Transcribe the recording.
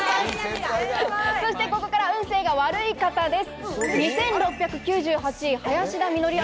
そしてここから運勢が悪い方です。